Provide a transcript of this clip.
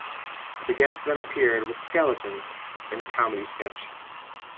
The guest then appeared with Skelton in a comedy sketch.